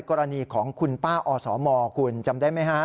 กรณีของคุณป้าอสมคุณจำได้ไหมฮะ